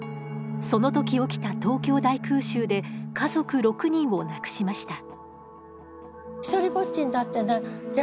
その時起きた東京大空襲で家族６人を亡くしました